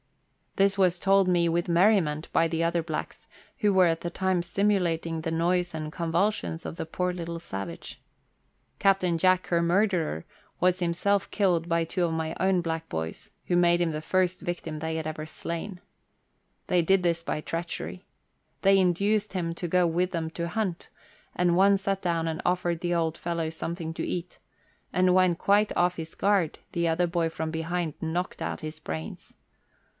This was told me with merriment by the other blacks, who were at the time simulating the noise and convulsions of the poor little savage. Captain Jack, her murderer, was himself killed by two of my own black boys, who made him the first victim they had ever slain. They did this by treachery. They induced him to go with them to hunt, and one sat down and offered the old fellow something to eat, and when quite off his guard the other boy from behind knocked out his brains.